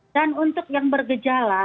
dan untuk yang bergejala